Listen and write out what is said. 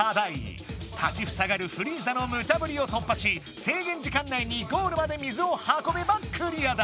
立ちふさがるフリーザのむちゃぶりを突破し制限時間内にゴールまで水を運べばクリアだ！